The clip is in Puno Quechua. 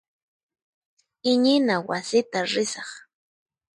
Iñina wasita risaq.